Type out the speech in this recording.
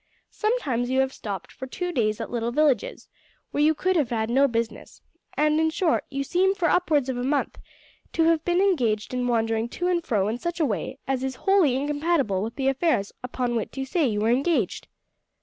Sometimes you have stopped for two days at little villages, where you could have had no business, and, in short, you seem for upwards of a month to have been engaged in wandering to and fro in such a way as is wholly incompatible with the affairs upon which you say you were engaged."